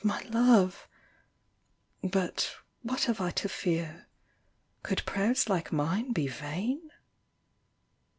my love ! â But what have I to fear ? Could prayers like mine be vain